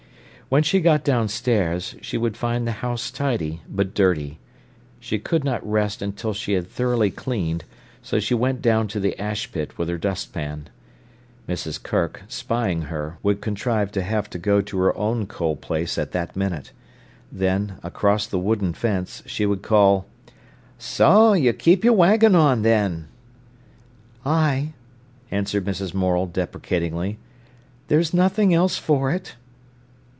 When she got downstairs, she would find the house tidy, but dirty. She could not rest until she had thoroughly cleaned; so she went down to the ash pit with her dustpan. Mrs. Kirk, spying her, would contrive to have to go to her own coal place at that minute. Then, across the wooden fence, she would call: "So you keep wagging on, then?" "Ay," answered Mrs. Morel deprecatingly. "There's nothing else for it."